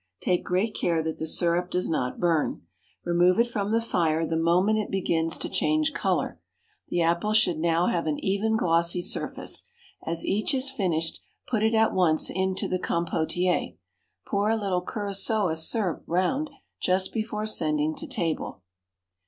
Take great care that the syrup does not burn; remove it from the fire the moment it begins to change color. The apples should now have an even glossy surface; as each is finished put it at once into the compotier. Pour a little curaçoa syrup round just before sending to table.